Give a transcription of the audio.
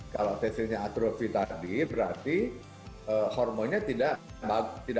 kalau testisnya atrofi tadi berarti hormonnya tidak baik gitu